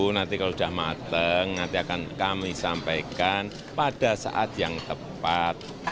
nanti kalau sudah mateng nanti akan kami sampaikan pada saat yang tepat